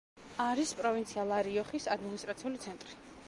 არის პროვინცია ლა-რიოხის ადმინისტრაციული ცენტრი.